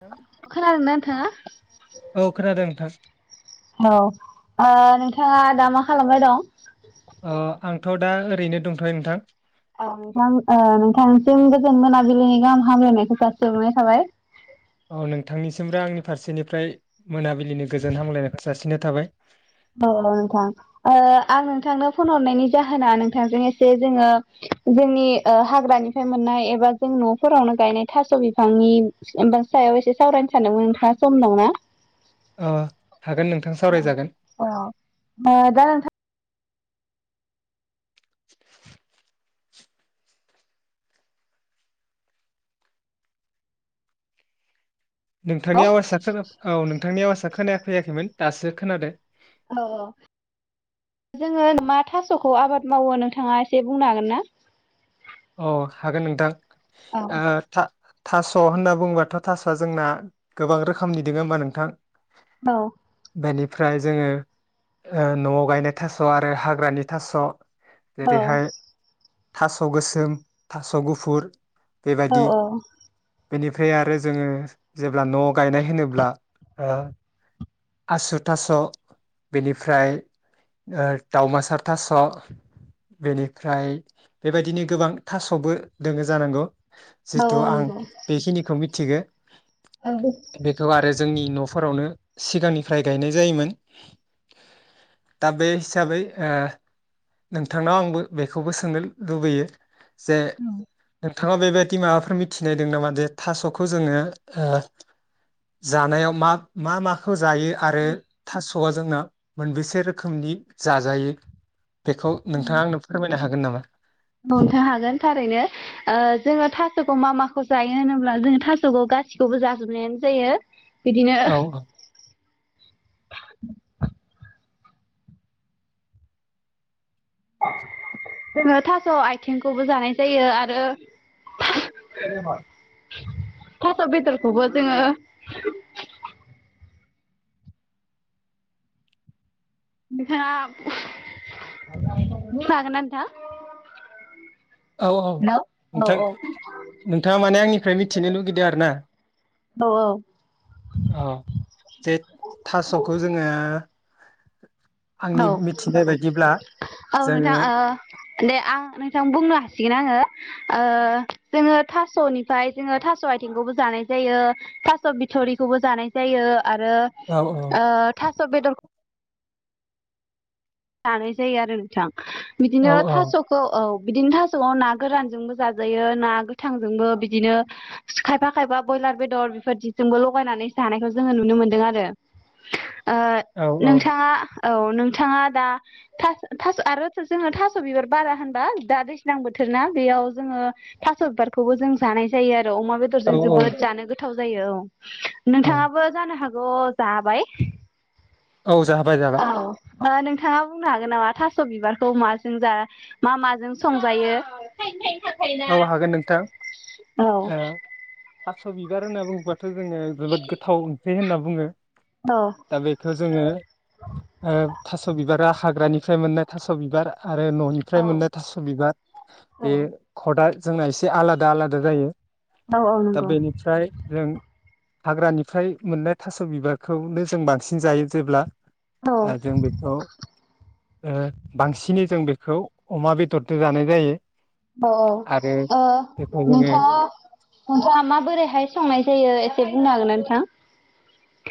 थां खोनादोंना नोंथाङा? औ खोनादों नोंथां । औ नोंथाङा दा मा खालामबाय दं? अ आंथ दा ओरैनो दंथयो नोंथां । औ नोंथां ओ नोंथांसिम गोजोन मोनाबिलिनि गाहाम हामलायनायखौ जासिहरनाय थाबाय । औ नोंथांनिसिरो आंनि फारसेनिफ्राय मोनाबिलिनि गोजोन हामग्लायनायखौ जासिनाय थाबाय । औ ल' नोंथां आं नोंथांनो फन हरनायनि जाहोना नोंथांजों एसे जोङो जोंनि ओ हाग्रानिफ्राय मोननाय एबा जों नफोरावनो गायनाय थास बिफांनि एबा सायाव एसे सावरायनो सानदोंमोन नोंथाङा सम दंना? ओ । औ अ दा नोंथां। [inaudible] औ नोंथांनि आवाजआ खोना औ नोंथांनि आवाजा खोनाया फैयाखैमोन दासो खोनादो। औ औ जोङो मा थास'खौ आबाद मावो नोंथाङा एसे बुंनो हागोन ना? औ हागोन नोंथां। औ ओ था थास' होनना बुंबाथ' थासआ जोंना गोबां रोखोमनि दोङो होमबा नोंथां। औ। बेनिफ्राय जोङो ओ नआव गायनाय थास' आरो हाग्रानि थास' जेरैहाय औ थास' गोस सोम थास' गुफुर। औ औ। बेनिफाय आरो जोङो जेब्ला न गायनाय होनोब्ला ओ आसु थास' बेनिफ्राय ओ दाउमासार थास' बेनिफ्राय बेबायदिनो गोबां थास'बो दोङो जानांगौ। औ जिथु आं नंगौ बेखिनिखौ मिथ थिगो। औ औ बेखौ आरो जोंनि नफोरावनो सिगांनिफ्राय गायनाय जायोमोन। दा बे हिसाबै ओ नोंथांनाव आंबो बेखौबो सोंनो लुबैयो। जे ओं। नोंथाङा बेबायदि माबाफोर मिथिनाय दों नामा दे थास'खौ जोङो ओ जानायाव मा मा मा? फो जायो आरो थास'। सौआ जोंना मोनबेसे रोखोमनि जाजायो? बेखौ नोंथाङा आंनो फोरमायनो हागोन नामा? नोंथ' हागोन। थारैनो ओ जोङो थास'खौ मा माखौ जायो होनोब्ला जोङो थास'खौ गासिखौबो जाजोबनायानो जायो। बिदिनो [inaudible] औ [inaudible] जोङो थास' आयथेंखौबो जानाय जायो आरो [inaudible] थास' बेदरखौबो जोङो [inaudible] नोंथाङा [inaudible] बुंनो हागोन ना नोंथां? औ औ हेलौ औ नोंथां नोंथाङा माने आंनिफ्राय मिथिनो लुगैदो आरो ना? औ औ। अ जे थास'खौ जोङो आंनि औ मिथिनाय बायदिब्ला औ नोंथां जोङो ओ दे आं नोंथां बुंनो हा सिगोन आङो ओ जोङो थास'निफ्राय जोङो थास' आइथेंखौबो जानाय जायो थास' बिथ'रिखौबो जानाय जायो। आरो औ ओ थास स' बेदर सानैै जायो आरो नोंथां। औ बिदिनो थास'खौ औ। बिदिनो थास'आव ना गोरानजोंबो जाजायो ना गोथांजोंबो बिदिनो खायफा खायफा बयलार बेदर बेफोरदिजोंबो लगायनानै जानायखौ जोङो नुनो मोनदों आरो। ओ औ नोंथाङा औ नोंथाङा दा थास थास' आरो जोङो थास' बिबार बारा होनबा दा दैज्लां बोथोर ना बेयाव जोङो थास' बिबारखौबो जों जानाय जायो आरो। औ अमा औ बेदरजों औ जोबोद जानो गोथाव जायो औ। औ नोंथाङाबो जानो हा ज जाबाय। औ जाबाय जाबाय। ओ नोंथाङा बुंनो हागोन नामा थास' बिबारखौ माजों जा मा माजों संजायो? औ हागोन नोंथां। औ ओ थास' बिबार होनना बुंबा थ' जोङो जोबोद गोथाव ओंख्रि होनना बुङो। दा बेखौ जोङो ओ थास' बिबारा हाग्रानिफ्राय मोननाय थास' बिबार आरो न'निफ्राय औ मोननाय थास' बिबार औ बे दा जोंना एसे आलादा आलादा जायो। औ औ दा नंगौ बेनिफ्राय जों हाग्रानिफ्राय मोननाय थास' बिबारखौनो जों बांसिन जायो जेब्ला औ ओ जों बेखौ ओ बांसिनै जों बेखौ अमा बेदरजों जानाय जायो। औ औ। आरो ओ बेखौ जोङो नोंथाङा नोंथाङा माबोरैहाय संनाय जायो एसे बुंनो हागोनना नोंथां?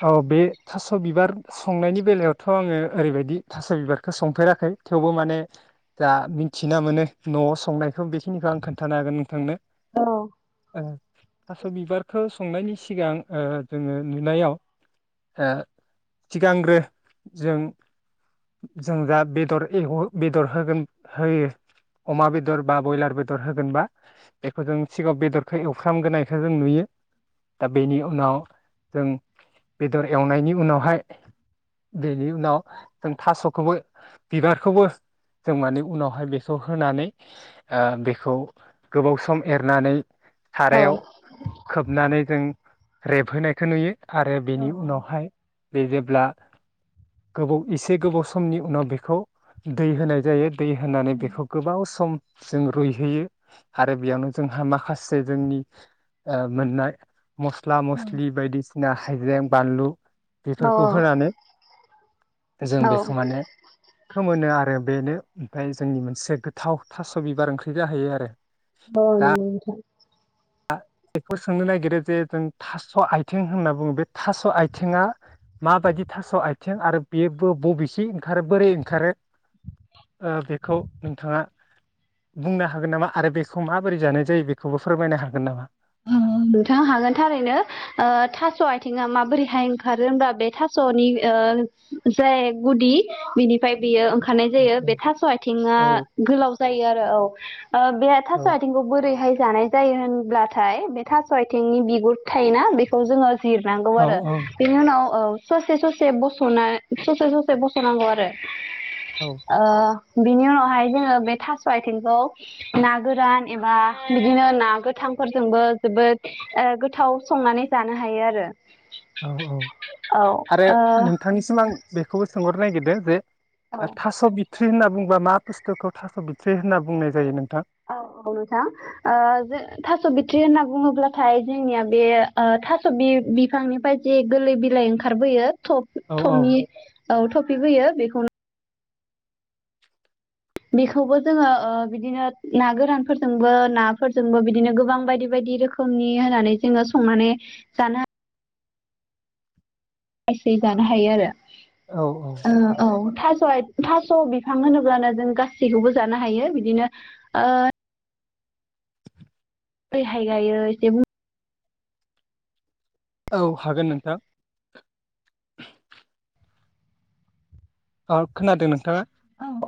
औ बे थास' बिबार संनायनि बेलायावथ' आङो ओरैबायदि थास' बिबारखौ संफेराखै। थेवबो माने जा मिन्थिना मोनो न'आव संनायखौ बेखिनिखौ आं खोन्थानो हागोन नोंथांनो। औ। थास' बिबारखौ संनायनि सिगां ओ जोङो नुनायाव ओ सिगांग्रो जों जों जा बेदर एवो बेदर होगोन होयो अमा बेदर बा बयलार बेदर होगोनबा बेखौ जों सिगाङाव बेदरखौ एवफ्रामग्रोनायखौ जों नुयो। दा बेनि उनाव जों बेदर एवनायनि उनावहाय बेनि उनाव जों थास'खौबो बिबारखौबो जों माने उनावहाय बेखौ होनानै ओ बेखौ गोबाव सम एरनानै औ सारायाव खोबनानै जों रेबहोनायखौ नुयो। आरो बेनि उनावहाय बे जेब्ला गोबाव एसे गोबाव समनि उनाव बेखौ दै होनाय जायो। दै होनानै बेखौ गोबाव सम जों रुइहैयो आरो बेयावनो जोंहा माखासे जोंनि ओ मोननाय मस्ला, मस्लि बायदिसि ना हायजें बानलु औ बेफोरखौ होनानै जों औ बेखौ माने फोमोनो आरो। बेनो ओमफाय जोंनि मोनसे गोथाव थास' बिबार ओंख्रि जाहैयो आरो। औ नंगौ नोंथां। बेखौ सोंनो नागिरो जे जों थास' आथिं होनना बुङो बे थास' आथिङा माबायदि थास' आथिं आरो बेबो बबेसे ओंखारो बोरै ओंखारो? ओ बेखौ नोंथाङा बुंनो हागोन नामा आरो बेखौ माबोरै जानाय जायो बेखौबो फोरमायनो हाग गोन नामा? नोंथांङा हागोन थारैनो ओ थास' आथिंङा माबोरैहाय ओंखारो होमबा बे थास'नि ओ जाय गुदि बिनिफ्राय बियो ओं खानाय औ जायो बे थास' आथिंङा औ गोलाव जायो आरो। औ ओ बे थास' आथिंखौ बोरैहाय जानाय जायो होनब्ला थाइ बे थास' आथिंनि बिगुर थायोना बेखौ जोंङो जिर नांगौ औ आरो बिनि उनाव औ ससे ससे बस'ना ससे ससे बस'नांगौ आरो। औ ओ बिनि उनावहाय जोङो बे थास' आथिंखौ ना गोरान एबा बिदिनो ना गोथां फोरजोंबो जोबोद गोथाव संनानै जानो हायो आरो। औ औ औ आरो ओ नोंथांनिसिम आं बेखौबो सोंहरनो नागिरदों जे थास' बिथ थ्रि होनना बुंबा मा बुस्थुखौ थास' बिथ्रि होनना बुंनाय जायो नों औ औ नोंथां ओ जे थास' बिथ्रि होना बुङोब्लाथाय जोंनिया बे ओ थास' बि बिफांनिफ्राय जे गोरलै बिलाइ ओंखारबोयो। थौव औ औ थमि औ थौ फिबोयो बेखौनो बेखौबो जोङो बिदिनो ना गोरानफोरजोंबो नाफोरजोंबो बिदिनो गोबां बायदि बायदि रोखोमनि होनानै जोङो संनानै जानो सै जानो हायो आरो। औ औ थास' आय थास' बिफां होनोब्लानो जों गासैखौबो जानो हायो बिदिनो ओ ओयहाय गायो एसे बुं औ हागोन नोंथां अ खोनादों नोंथाङा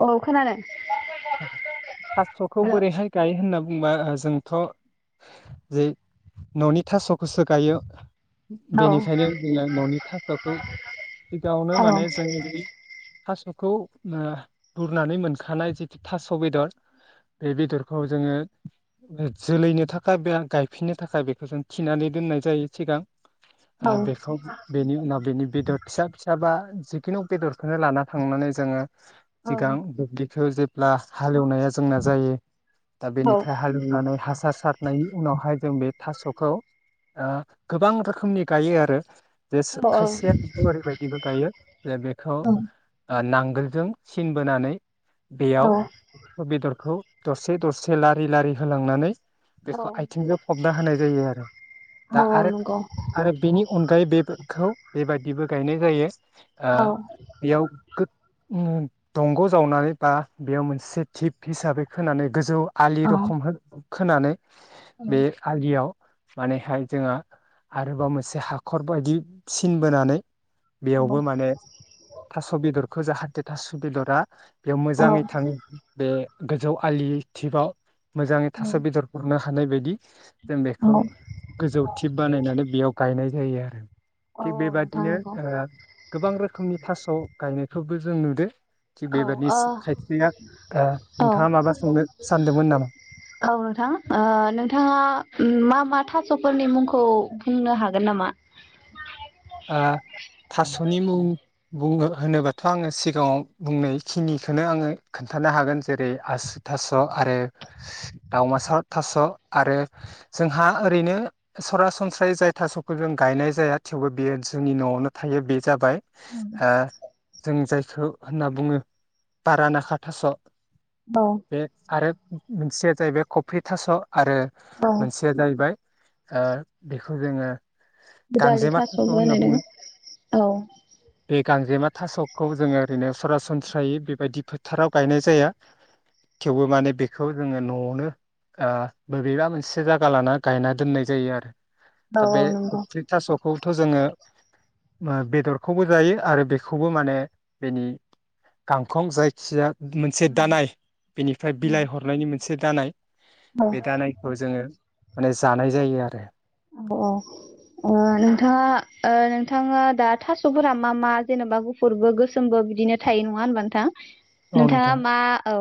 औ खोनादों थास'खौ हेलौ बोरैहाय गायो होनना बुंबा जोंथ' जै न'नि थास'खौसो गायो औ बेनिखायनो जोङो न'नि थास'खौ सिगाङावनो औ माने जों बै थास'खौ ओ बुरनानै मोनखानाय जिखि थास' बेदर बे बेदरखौ जोङो जोलैनो थाखाय बा गायफिननो थाखाय बेखौ जों थिनानै दोननाय जायो सिगां औ आ बेखौ बेनि उनाव बेनि बेदर फिसा-फिसा बा जिखुनु बेदरखौनो लाना थांनानै जोङो औ सिगां बेखौ जोब ब्ला हालेवनाया जोंना जायो दा बेनिफ्राय हालेवनानै हासार सारनायनि उनावहाय जों बे थास'खौ गोबां रोखोमनि गायो आरो जे खायसेया बेखौ ओरैबायदिबो गायो जे बेखौ नांग गोलजों सिन बोनानै औ बेयाव बेदरखौ दरसे-दरसे लारि-लारि होलांनानै औ बेखौ आथिंजों फबना होनाय जायो आरो दा औ आरो नंगौ आरो बेनि अनगायै बेफोरखौ बेबायदिबो गायनाय जायो । औ ओ बेयाव गो ओम दंग' जावनानै बा बेयाव मोनसे धिप हिसाबै खोनानै गोजौ आलि औ रखम हो खोनानै बे आलियाव मानेहाय जोंडो आरोबाव मोनसे हाखर बायदि सिन बोनानै बेयावबो औ माने थास' बेदर जाहाथे थास' बेदरा बेयाव औ मोजाङै थाङो बे गोजौ आलि धिबाव मोजाङै थास' बेदरफोरनो थानाय बायदि जों औ बेखौ गोजौ धिप बानायनानै बेयाव गायनाय जायो आरो औ थिग नोंथां बेबायदिनो नंगौ ओ गोबां रोखोमनि थास' गायनायखौ खौ जों नुदो । थिक औ बेबायदि ओ खायसेया ओ औ-औ नोंथाङा माबा सोंनो सानदोंमोन नामा? नोंथां, ओ नोंथाङा मा मा थास' स'फोरनि मुंखौ बुंनो हागोन नामा? ओ थास'नि मुं बुङो होनोबाथ' आङो सिगाङाव बुंनायखिनिखौनो आङो खोन्थानो हागोन जेरै आसु थास' आरो दावमासा थास' आरो जोंहा ओरैनो सरासनस्रायै जाय थास'खौ जों गायनाय जाया गायनाय जाया थेवबो बेयो जोंनि न'आवनो थायो बे जाबाय ओ जों जाय ओ होनना बुङो बारानाखा थास' । औ बे आरो मोनसेया जाहैबाय कफ्रि थास', आरो औ मोनसेया जाहैबाय ओ बेखौ जोङो । दुदालि थास' । [unintelligible] औ बे गांजेमा थास'खौ जोङो ओरैनो सरासनस्रायै बेबायदि फोथाराव गायनाय जाया थेवबो माने बेखौ जोङो न'आवनो आ बबेबा मोनसे जायगा लाना गायना दोननाय जायो आरो । दा औ बे औ नंगौ [unintelligible] थास' थ' जोङो बेदरखौबो जायो आरो बेखौबो माने बेनि गांखं जायखिया मोनसे दानाय बेनिफ्राय बिलाइ हरनायनि मोन से दानाय औ बे दानायखौ जोङो । माने जानाय जायो आरो । औ-औ नोंथाङा ओ नोंथाङा दा थास'फोरा मा मा जेनेबा गुफुरबो गोसोमबो बिदिनो थायो नङा होनबा नोंथां? औ नोंथाङा नोंथां मा औ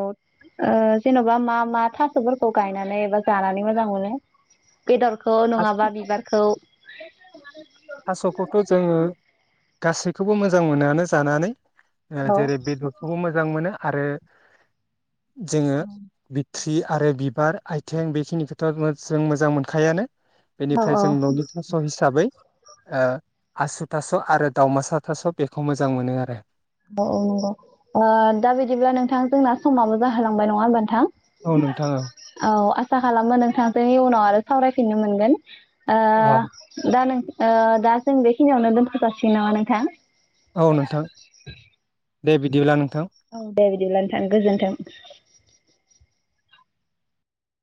ओ जेन'बा मा मा थास'फोरखौ गायनानै एबा जानानै मोजां मोनो? बेदरखौ नङा बिबारखौ थास'खौथ' जोङो गासैखौबो मोजां मोनोआनो जानानै ओ औ जेरै बेदरखौबो मोजां मोनो । आरो जोङो ट्रि आरो बिबार आथिं बेखिनिखौथ' जों मोजां मोनखायानो। औ बेनिफ्राय जों न'नि थास' हिसाबै ओ आसु थास' आरो दावमासा थास' बेखौ मोजां मोनो आरो। औ औ ओ नंगौ ओ दा बिदिब्ला नोंथां जोंना समाबो जाहोलांबाय नङा होमबा नोंथां? औ आ आसा खालामो नोंथांजों उनाव आरो सावरायफिननो मोनगोन। ओ औ दा नों ओ दा जों बेखिनियावनो दोनथ'जासिगोन नामा नोंथां? औ नोंथां। [inaudible] दे बिदिब्ला नोंथां। औ दे बिदिब्ला नोथां गोजोनथों।